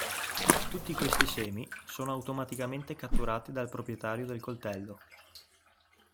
Tutti questi semi sono automaticamente catturati dal proprietario del coltello.